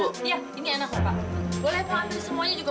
iya ini enak pak